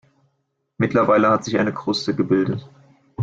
Mittlerweile hat sich eine Kruste gebildet.